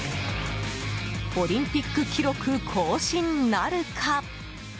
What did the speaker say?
オリンピック記録更新なるか？